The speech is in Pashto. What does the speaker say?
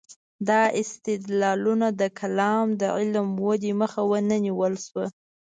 دا استدلالونه د کلام د علم ودې مخه ونه نیول شوه.